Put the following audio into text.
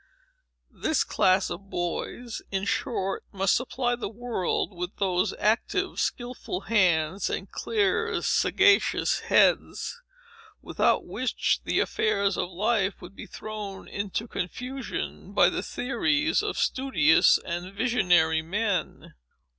This class of boys, in short, must supply the world with those active, skilful hands, and clear, sagacious heads, without which the affairs of life would be thrown into confusion, by the theories of studious and visionary men.